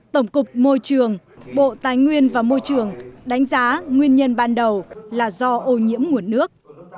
tổng cục môi trường bộ tài nguyên và môi trường đánh giá nguyên nhân ban đầu là do ô nhiễm nguồn nước